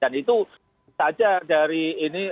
dan itu saja dari ini